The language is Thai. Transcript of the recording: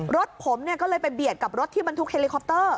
รถผมก็เลยไปเบียดกับรถที่บรรทุกเฮลิคอปเตอร์